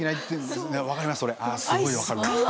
すごい分かるわ。